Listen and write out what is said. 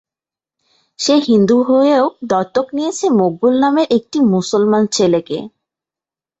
সে হিন্দু হয়েও দত্তক নিয়েছে মকবুল নামের একটি মুসলমান ছেলেকে।